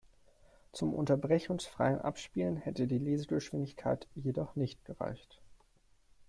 Zum unterbrechungsfreien Abspielen hätte die Lesegeschwindigkeit jedoch nicht gereicht.